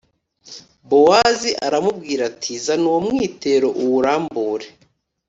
Bowazi aramubwira ati zana uwo mwitero uwurambure